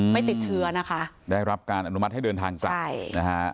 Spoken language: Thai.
ไม่ติดเชื้อนะคะได้รับการอนุมัติให้เดินทางกลับใช่นะฮะ